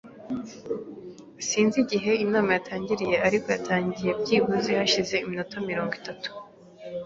Sinzi igihe inama yatangiriye, ariko yatangiye byibuze hashize iminota mirongo itatu.